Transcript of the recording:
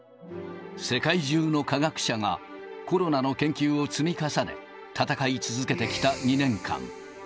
世界中の科学者が、コロナの研究を積み重ね、闘い続けてきた２年間。